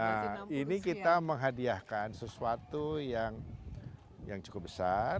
pembicara empat puluh enam nah ini kita menghadiahkan sesuatu yang cukup besar